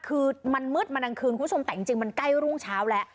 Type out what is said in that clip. คือมันมืดมาดังคืนคุณผู้ชมแต่จริงมันใกล้รุ่งเช้าแล้ว